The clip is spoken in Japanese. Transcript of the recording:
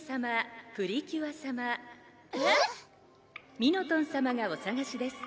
「ミノトンさまがおさがしです」